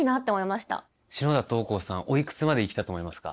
おいくつまで生きたと思いますか？